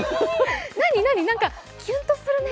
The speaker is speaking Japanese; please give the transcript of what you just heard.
何、何、何かキュンとするね！